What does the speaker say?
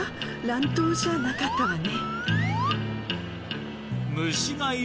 乱闘じゃなかったわね。